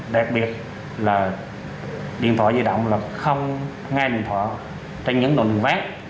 đặc biệt là điện thoại di động là không nghe điện thoại trên những đồn đường ván